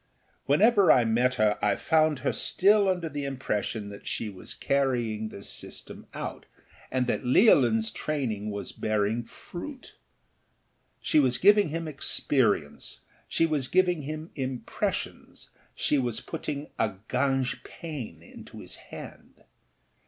Whenever I met her I found her still under the impression that she was carrying this system out and that Leolinâs training was bearing fruit. She was giving him experience, she was giving him impressions, she was putting a gagnepain into his hand.